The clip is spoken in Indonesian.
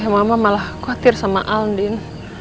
mama malah khawatir sama aldin